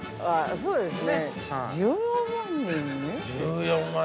◆そうですね。